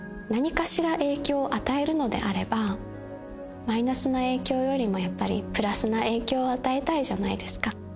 何かしら影響を与えるのであればマイナスな影響よりもやっぱりプラスな影響を与えたいじゃないですか。